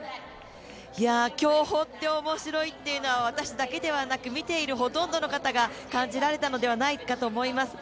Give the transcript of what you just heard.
競歩って面白いっていうのは私だけではなく見ている、ほとんどの方が感じられたのではないかと思います。